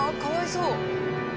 かわいそう。